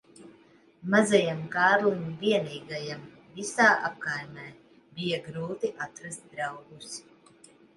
Mazajam Kārlim vienīgajam visā apkaimē bija grūti atrast draugus.